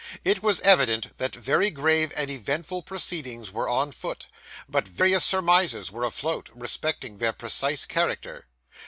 It was evident that very grave and eventful proceedings were on foot; but various surmises were afloat, respecting their precise character.